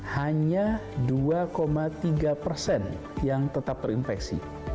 hanya dua tiga persen yang tetap terinfeksi